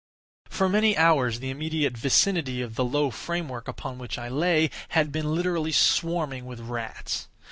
For many hours the immediate vicinity of the low framework upon which I lay had been literally swarming with rats.